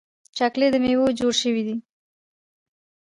چاکلېټ له میوو جوړ شوی وي.